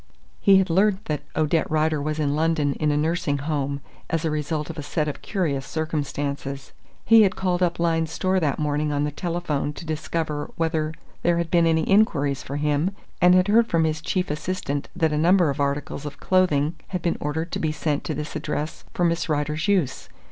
He had learnt that Odette Rider was in London in a nursing home, as the result of a set of curious circumstances. He had called up Lyne's Store that morning on the telephone to discover whether there had been any inquiries for him and had heard from his chief assistant that a number of articles of clothing had been ordered to be sent to this address for Miss Rider's use.